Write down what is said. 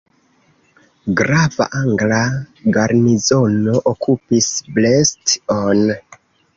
Grava angla garnizono okupis Brest-on.